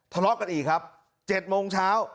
ทะเลาะกันอีกครับ๗โมงเช้า